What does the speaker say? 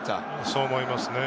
そう思いますね。